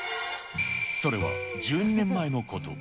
それは１２年前のこと。